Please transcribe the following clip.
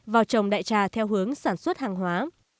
vào trồng đại trà theo hướng sản xuất hàng hóa